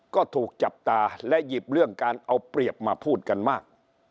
ก็ถูกจับตาและหยิบเรื่องการเอาเปรียบมาพูดกันมาก